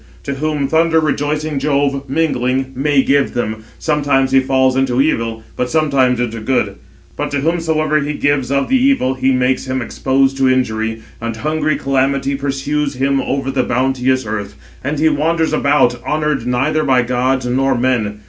To whom thunder rejoicing Jove, mingling, may give them, sometimes he falls into evil, but sometimes into good; but to whomsoever he gives of the evil, he makes him exposed to injury; and hungry calamity pursues him over the bounteous earth; and he wanders about, honoured neither by gods nor men.